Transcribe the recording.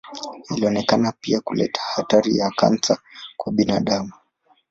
Ilionekana pia kuleta hatari ya kansa kwa binadamu.